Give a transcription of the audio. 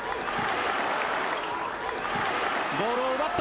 ボールを奪った！